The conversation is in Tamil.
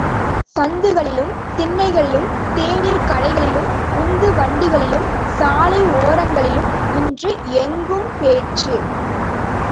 சந்துகளிலும், திண்ணைகளிலும் தேநீர் கடைகளிலும் உந்து வண்டிகளிலும் சாலை ஓரங்களிலும் இன்று எங்கும் பேச்சு!